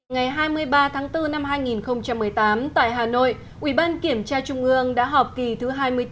ngày hai mươi ba tháng bốn năm hai nghìn một mươi tám tại hà nội ủy ban kiểm tra trung ương đã họp kỳ thứ hai mươi bốn